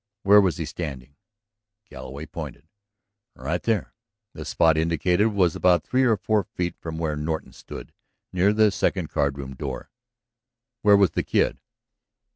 "Where was he standing?" Galloway pointed. "Right there." The spot indicated was about three or four feet from where Norton stood, near the second card room door. "Where was the Kid?"